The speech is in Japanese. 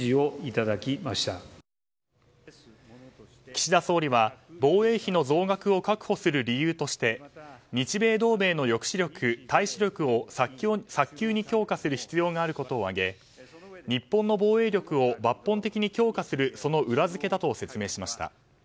岸田総理は、防衛費の増額を確保する理由として日米同盟の抑止力対処力を早急に強化する必要があることを挙げ日本の防衛力を抜本的に強化するその裏付けだと説明しました。